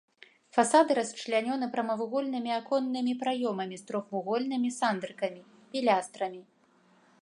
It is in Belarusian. Фасады расчлянёны прамавугольнымі аконнымі праёмамі з трохвугольнымі сандрыкамі, пілястрамі.